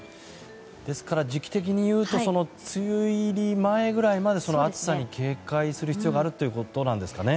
ですから、時期的に言うと梅雨入り前ぐらいまでは暑さに警戒する必要があるということなんですかね。